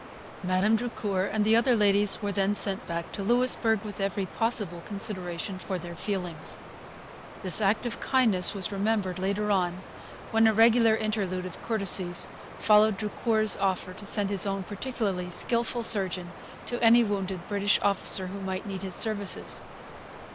Madame Drucour and the other ladies were then sent back to Louisbourg with every possible consideration for their feelings. This act of kindness was remembered later on, when a regular interlude of courtesies followed Drucour's offer to send his own particularly skilful surgeon to any wounded British officer who might need his services.